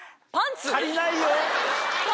借りないよ。